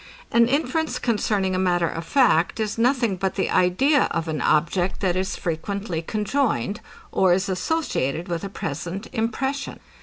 An inference concerning a matter of fact is nothing but the idea of an object, that is frequently conjoined, or is associated with a present impression.